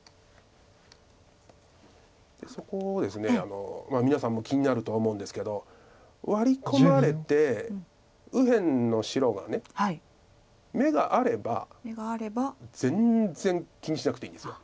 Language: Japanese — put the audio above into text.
そこをですね皆さんも気になるとは思うんですけどワリ込まれて右辺の白が眼があれば全然気にしなくていいんです。